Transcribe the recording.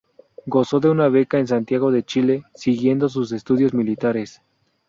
Gozó de una beca en Santiago de Chile, siguiendo sus estudios militares.